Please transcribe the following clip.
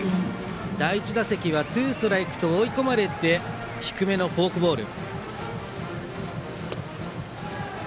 第１打席はツーストライクと追い込まれて低めのフォークボール。